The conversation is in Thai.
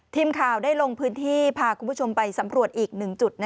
ทีมข่าวได้ลงพื้นที่พาคุณผู้ชมไปสำรวจอีกหนึ่งจุด